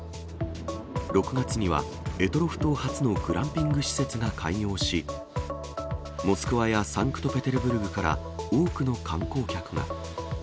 ６月には、択捉島初のグランピング施設が開業し、モスクワやサンクトペテルブルクから多くの観光客が。